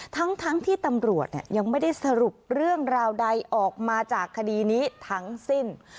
ทั้งที่ตำรวจยังไม่ได้สรุปเรื่องราวใดออกมาจากคดีนี้ทั้งสิ้น